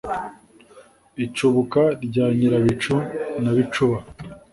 Icubuka rya Nyirabicu na Bicuba,